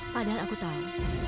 padahal aku tahu